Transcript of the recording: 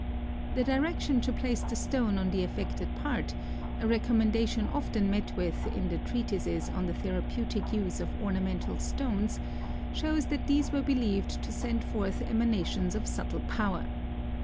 The direction to place the stone on the affected part, a recommendation often met with in the treatises on the therapeutic use of ornamental stones, shows that these were believed to send forth emanations of subtle power.